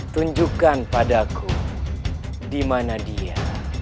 tunjukkan padaku di mana dia